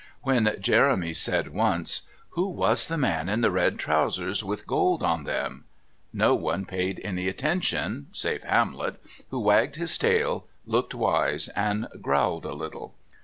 When Jeremy said once, "Who was the man in the red trousers with gold on them?" no one paid any attention save Hamlet, who wagged his tail, looked wise and growled a little.